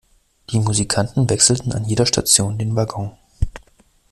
Die Musikanten wechselten an jeder Station den Wagon.